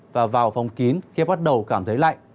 và vào phòng kín khi bắt đầu cảm thấy lạnh